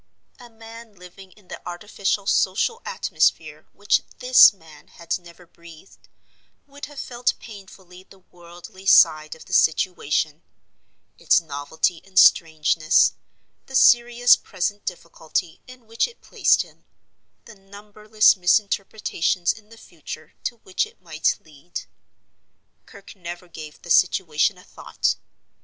A man living in the artificial social atmosphere which this man had never breathed would have felt painfully the worldly side of the situation—its novelty and strangeness; the serious present difficulty in which it placed him; the numberless misinterpretations in the future to which it might lead. Kirke never gave the situation a thought.